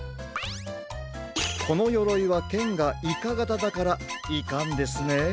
このよろいはけんがイカがただからイカんですね。